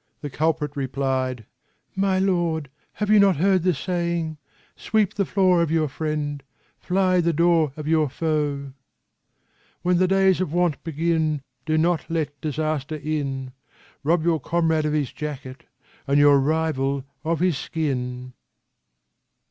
" The culprit replied :" My lord, have you not heard the saying :* Sweep the floor of your friend : fly the door of your foe.' " When the days of want begin, do not let disaster in : Rob your comrade of his jacket and your rival of his skin.